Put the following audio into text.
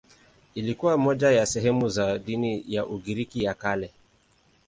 Ilikuwa moja ya sehemu za dini ya Ugiriki ya Kale.